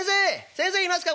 先生いますか？